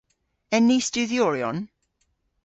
En ni studhyoryon?